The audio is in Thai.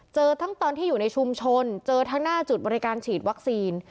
เจอทั้งตอนที่อยู่ในชุมชนเจอทั้งหน้าจุดบริการฉีดวัคซีน